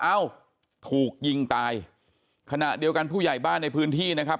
เอ้าถูกยิงตายขณะเดียวกันผู้ใหญ่บ้านในพื้นที่นะครับ